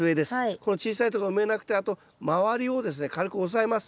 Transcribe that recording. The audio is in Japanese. この小さいとこは埋めなくてあと周りをですね軽く押さえます。